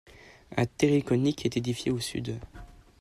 Un terril conique est édifié au sud.